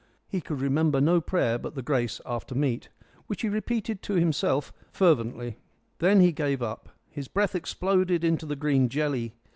He could remember no prayer but the grace after meat, which he repeated to himself fervently. Then he gave up. His breath exploded into the green jelly.